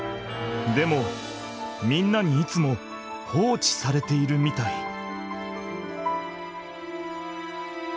でもみんなにいつも放置されているみたい。